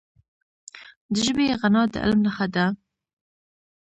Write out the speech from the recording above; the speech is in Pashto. د ژبي غنا د علم نښه ده.